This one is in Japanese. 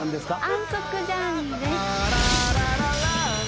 安息ジャーニーです。